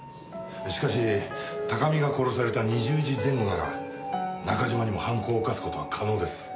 しかし高見が殺された２０時前後なら中島にも犯行を犯す事は可能です。